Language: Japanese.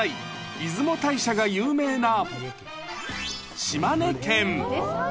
出雲大社が有名な島根県。